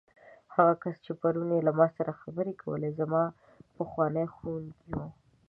هغه کس چې پرون یې له ما سره خبرې کولې، زما پخوانی ښوونکی و.